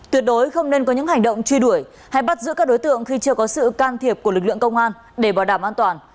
tuyệt đối không nên có những hành động truy đuổi hay bắt giữ các đối tượng khi chưa có sự can thiệp của lực lượng công an để bảo đảm an toàn